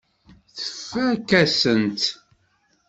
Tfakk-asen-tt.